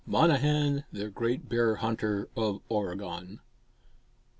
MONNEHAN, THE GREAT BEAR HUNTER OF OREGON.